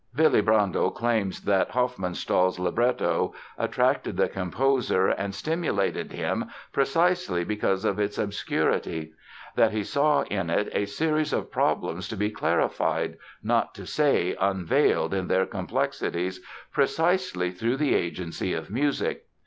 Willy Brandl claims that Hofmannsthal's libretto attracted the composer and stimulated him "precisely because of its obscurity"; that he saw in it a series of problems to be "clarified, not to say unveiled, in their complexities precisely through the agency of music."